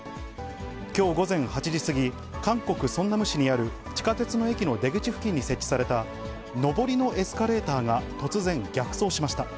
きょう午前８時過ぎ、韓国・ソンナム市にある地下鉄の駅の出口付近に設置された上りのエスカレーターが突然逆走しました。